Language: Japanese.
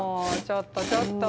ちょっとちょっと。